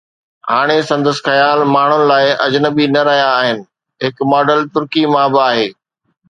هاڻي سندس خيال ماڻهن لاءِ اجنبي نه رهيا آهن، هڪ ماڊل ترڪي مان به آهي.